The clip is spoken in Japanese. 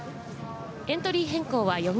エントリー変更は４人。